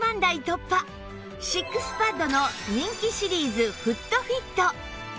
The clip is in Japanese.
シックスパッドの人気シリーズフットフィット